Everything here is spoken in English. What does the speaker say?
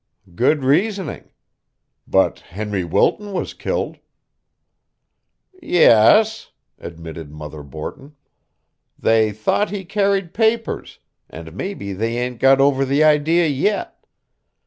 "Good reasoning. But Henry Wilton was killed." "Yes," admitted Mother Borton; "they thought he carried papers, and maybe they ain't got over the idea yit.